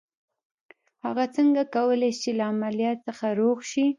هغه څنګه کولای شي چې له عمليات څخه روغ شي.